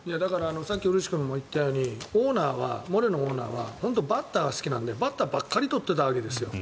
さっき古内さんも言ったようにモレノオーナーはバッターが好きなのでバッターばっかり取っていたわけです。